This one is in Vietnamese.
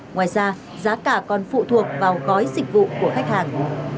ngoài ra giá cả còn phụ thuộc vào gói dịch vụ của khách hàng